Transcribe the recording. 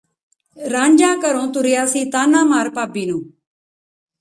ਰਾਂਝਾ ਘਰੋਂ ਤੁਰਿਆ ਸੀ ਤਾਹਨਾਂ ਮਾਰ ਭਾਬੀ ਨੂੰ